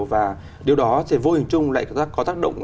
và điều đó thì vô hình chung lại có tác động